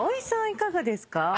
いかがですか？